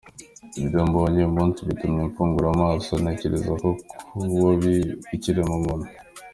Ibyo mbonye uyu munsi bitumye mfungura amaso, ntekereza ku bubi bw’ikiremwamuntu”.